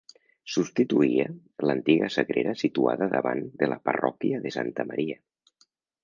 Substituïa l'antiga sagrera situada davant de la parròquia de Santa Maria.